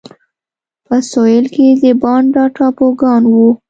په سوېل کې د بانډا ټاپوګان وو.